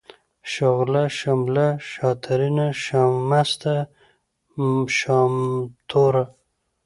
شغله ، شمله ، شاترينه ، شامسته ، شامتوره ،